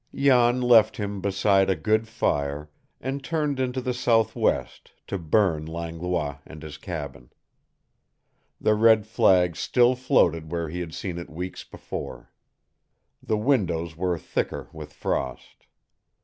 Jan left him beside a good fire, and turned into the southwest to burn Langlois and his cabin. The red flag still floated where he had seen it weeks before. The windows were thicker with frost.